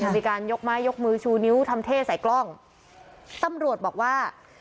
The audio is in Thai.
มีการยกไม้ยกมือชูนิ้วทำเท่ใส่กล้องตำรวจบอกว่า